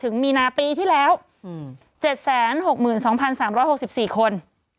ถึงมีนาปีที่แล้ว๗๖๒๓๖๔คน